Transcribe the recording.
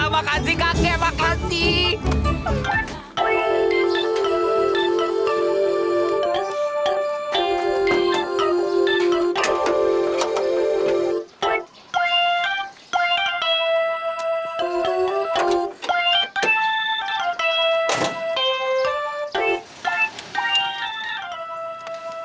makasih kakek makasih